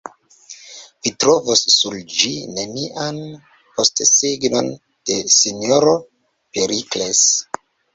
Vi trovos sur ĝi nenian postsignon de S-ro Perikles.